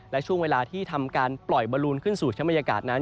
และช่วงเวลาที่ทำการปล่อยบอลลูนขึ้นสู่ชั้นบรรยากาศนั้น